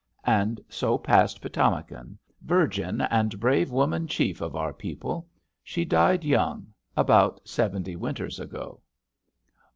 And so passed Pi´tamakan, virgin, and brave woman chief of our people. She died young, about seventy winters ago."